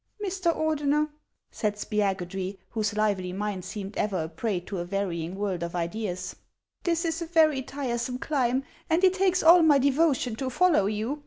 " Mr. Ordener," said Spiagudry, whose lively mind seemed ever a prey to a varying world of ideas, " this is a very tiresome climb, and it takes all my devotion to fol low you.